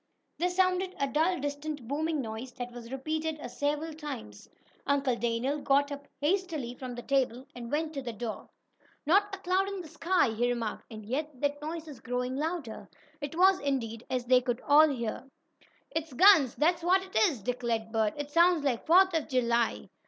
There sounded a dull distant booming noise, that was repeated several times. Uncle Daniel got up hastily from the table and went to the door. "Not a cloud in the sky," he remarked, "and yet that noise is growing louder." It was, indeed, as they all could hear. "It's guns, that's what it is," declared Bert "It sounds like Fourth of July."